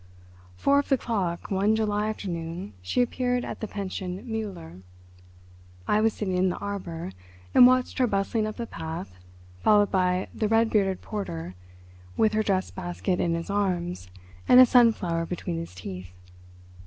Four of the clock one July afternoon she appeared at the Pension Müller. I was sitting in the arbour and watched her bustling up the path followed by the red bearded porter with her dress basket in his arms and a sunflower between his teeth.